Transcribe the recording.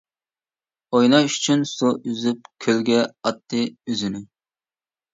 ئويناش ئۈچۈن سۇ ئۈزۈپ، كۆلگە ئاتتى ئۆزىنى.